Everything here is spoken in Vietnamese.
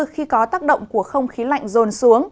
khi có tác động của không khí lạnh rồn xuống